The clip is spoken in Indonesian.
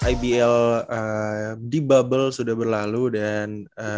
ibl di bubble sudah berlalu dan